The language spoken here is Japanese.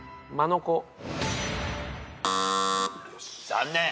残念。